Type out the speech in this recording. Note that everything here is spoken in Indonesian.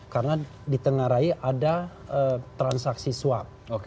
karena di tengah raih ada transaksi swap